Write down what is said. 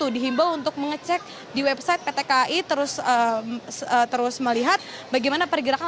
dihimbau untuk mengecek di website pt kai terus melihat bagaimana pergerakan